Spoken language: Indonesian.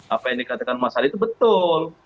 apa yang dikatakan mas adi itu betul